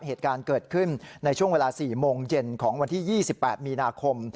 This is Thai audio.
เหตุการณ์เกิดขึ้นในช่วงเวลา๔โมงเย็นของวันที่๒๘มีนาคม